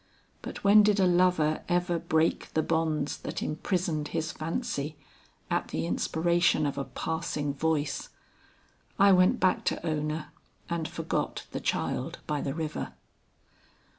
But when did a lover ever break the bonds that imprisoned his fancy, at the inspiration of a passing voice. I went back to Ona and forgot the child by the river.